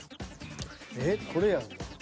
えっこれやろ。